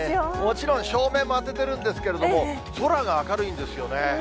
もちろん照明も当ててるんですけれども、空が明るいんですよね。